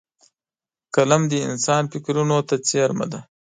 قلم د انسان فکرونو ته څېرمه دی